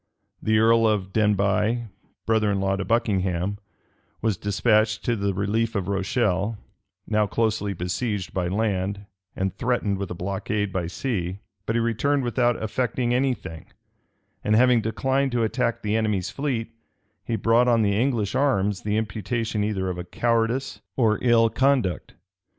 The earl of Denbigh, brother in law to Buckingham, was despatched to the relief of Rochelle, now closely besieged by land, and threatened with a blockade by sea: but he returned without effecting any thing; and having declined to attack the enemy's fleet, he brought on the English arms the imputation either of cowardice or ill conduct.